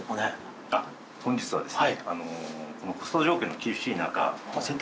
本日はですね。